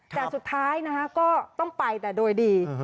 แต่สุดท้ายนะคะก็ต้องไปแต่โดยดี